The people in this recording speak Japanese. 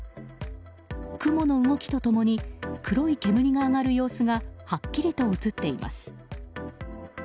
雲の動きと共に黒い煙が上がる様子がはっきりと映っています。